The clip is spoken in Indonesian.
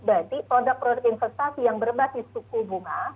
berarti produk produk investasi yang berbasis suku bunga